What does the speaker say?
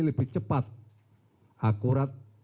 lebih cepat akurat